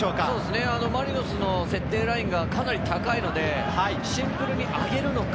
マリノスの設定ラインがかなり高いので、シンプルに上げるのか？